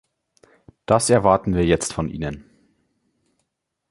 Das erwarten wir jetzt von Ihnen.